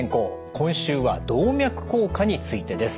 今週は動脈硬化についてです。